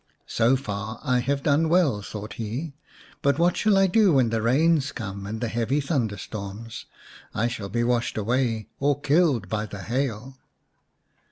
" So far I have done well," thought he, " but what shall I do when the rains come and the heavy thunderstorms ? I shall be washed away or killed by the hail."